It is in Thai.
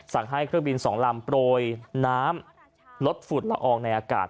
สั่งให้เครื่องบิน๒ลำโปรยน้ำลดฝุ่นละอองในอากาศ